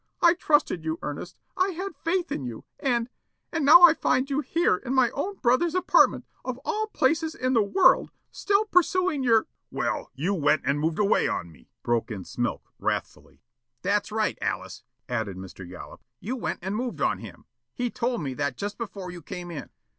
I trusted you, Ernest, I had faith in you, and and now I find you here in my own brother's apartment, of all places in the world, still pursuing your " "Well, you went and moved away on me," broke in Smilk wrathfully. "That's right, Alice," added Mr. Yollop. "You went and moved on him. He told me that just before you came in."